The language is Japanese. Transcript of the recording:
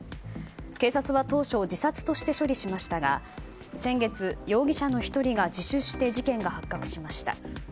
警察は当初自殺として処理しましたが先月、容疑者の１人が自首して事件が発覚しました。